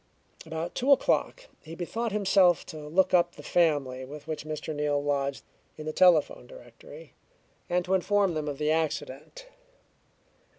About two o'clock he bethought himself to look up the family with which Mr. Neal lodged in the telephone directory and to inform them of the accident.